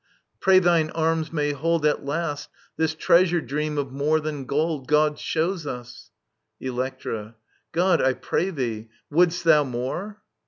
Pray thine arms may hold At last this treasure dream of more than gold God shows us I Electra. God, I pray thee !..• Wouldst thou more